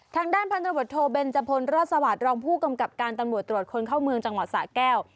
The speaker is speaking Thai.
ทางด้านพันธบทโทเบนจพลรอดสวัสดิรองผู้กำกับการตำรวจตรวจคนเข้าเมืองจังหวัดสะแก้ว